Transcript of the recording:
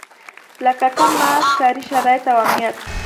لکه کم معاش، کاري شرايط او امنيت.